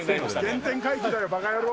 原点回帰だよ、ばか野郎。